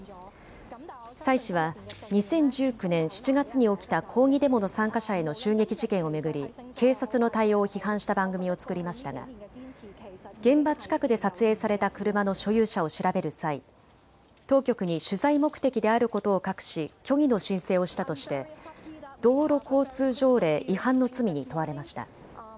蔡氏は２０１９年７月に起きた抗議デモの参加者への襲撃事件を巡り警察の対応を批判した番組を作りましたが現場近くで撮影された車の所有者を調べる際、当局に取材目的であることを隠し虚偽の申請をしたとして道路交通条例違反の罪に問われました。